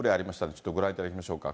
ちょっとご覧いただきましょうか。